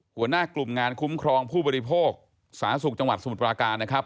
หัวหน้ากลุ่มงานคุ้มครองผู้บริโภคสาธารณสุขจังหวัดสมุทรปราการนะครับ